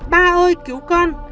ba ơi cứu con